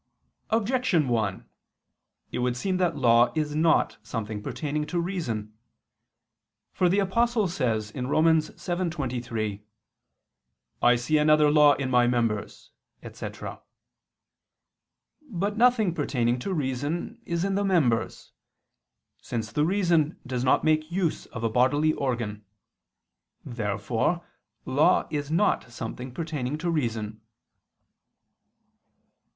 Objection 1: It would seem that law is not something pertaining to reason. For the Apostle says (Rom. 7:23): "I see another law in my members," etc. But nothing pertaining to reason is in the members; since the reason does not make use of a bodily organ. Therefore law is not something pertaining to reason.